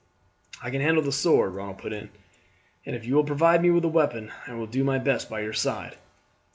"I can handle the sword," Ronald put in; "and if you will provide me with a weapon I will do my best by your side."